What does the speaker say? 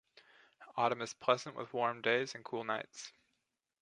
Autumn is pleasant with warm days and cool nights.